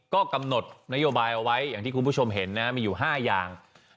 ก็กำหนดนโยบายเอาไว้อย่างที่คุณผู้ชมเห็นนะมีอยู่๕อย่าง